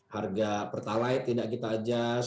harga pertalite tidak kita adjust